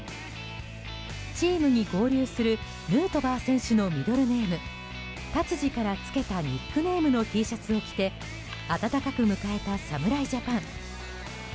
チームに合流するヌートバー選手のミドルネームタツジからつけたニックネームのＴシャツを着て温かく迎えた侍ジャパン。